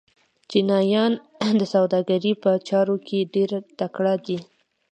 چینایان د سوداګرۍ په چارو کې ډېر تکړه دي.